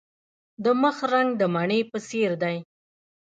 د مخ رنګ د مڼې په څیر دی.